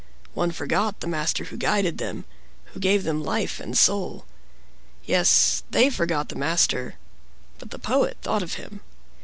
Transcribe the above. One forgot the master who guided them, who gave them life and soul. Yes, they forgot the master; but the Poet thought of him.